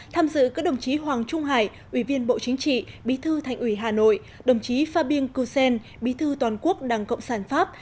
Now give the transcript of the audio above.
tham dự các đồng chí hoàng trung hải ủy viên bộ chính trị bí thư thành ủy hà nội đồng chí fabien coussen bí thư toàn quốc đảng cộng sản pháp